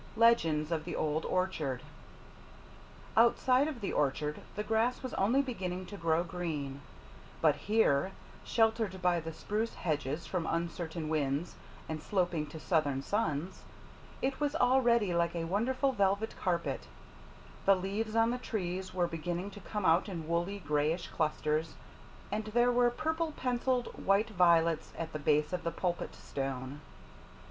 LEGENDS OF THE OLD ORCHARD Outside of the orchard the grass was only beginning to grow green; but here, sheltered by the spruce hedges from uncertain winds and sloping to southern suns, it was already like a wonderful velvet carpet; the leaves on the trees were beginning to come out in woolly, grayish clusters; and there were purple pencilled white violets at the base of the Pulpit Stone.